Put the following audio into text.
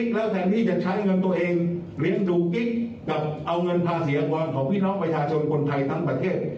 อยากไม่ได้จริงผู้ตามดูกิ๊กกับเอาเงินพาเสียบานของพี่น้องประชาชนคนไทยทั้งประเทศ